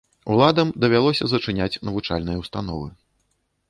Уладам давялося зачыняць навучальныя ўстановы.